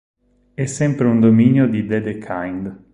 È sempre un dominio di Dedekind.